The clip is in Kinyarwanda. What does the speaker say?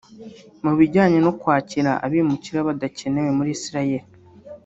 mu bijyanye no kwakira abimukira badakenewe muri Israel